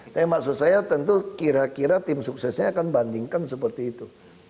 tapi maksud saya tentu kira kira tim suksesnya akan bandingkan seperti itu